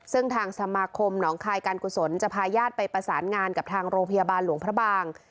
ซึ่งทางสมาคมหนองคายการกุศลจะพาญาติไปประสานงานกับทางโรงพยาบาลหลวงพระบาง